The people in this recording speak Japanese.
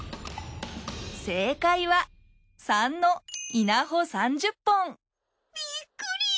正解は３の稲穂３０本びっくり！